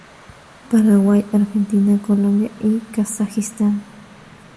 Paraguay, Argentina, Colombia y Kazajistán.